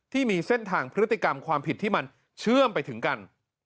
ที่มีเส้นทางพฤติกรรมความผิดที่มันเชื่อมไปถึงกัน